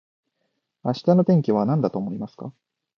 明日の天気はなんだと思いますか